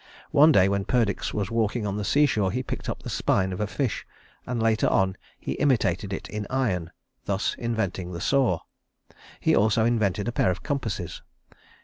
One day when Perdix was walking on the seashore he picked up the spine of a fish, and later on he imitated it in iron, thus inventing the saw. He also invented a pair of compasses.